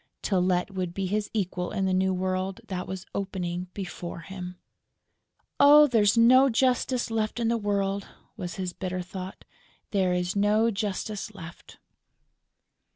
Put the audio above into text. Tylette would be his equal in the new world that was opening before him! "Oh, there is no justice left on earth!" was his bitter thought. "There is no justice left!"